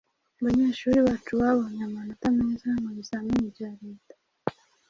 Abanyeshuri bacu babonye amanota meza mu bizamini bya Leta.